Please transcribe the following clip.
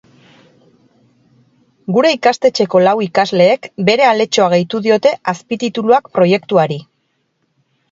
Gure ikastetxeko lau ikasleek bere aletxoa gehitu diote azpitituluak proiektuari.